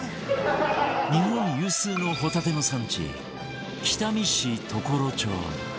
日本有数のホタテの産地北見市常呂町